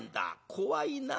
怖いな。